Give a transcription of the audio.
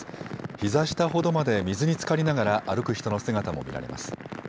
ひざ下ほどまで水につかりながら歩く人の姿も見られます。